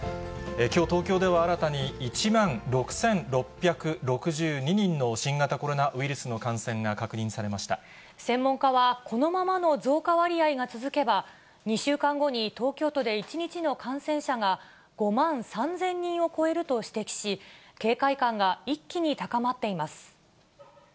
きょう、東京では新たに１万６６６２人の新型コロナウイルスの感染が確認専門家は、このままの増加割合が続けば、２週間後に東京都で１日の感染者が５万３０００人を超えると指摘し、警戒感が一気に高まっています。